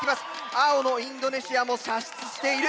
青のインドネシアも射出している。